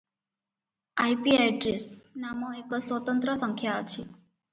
"IP address" ନାମ ଏକ ସ୍ୱତନ୍ତ୍ର ସଂଖ୍ୟା ଅଛି ।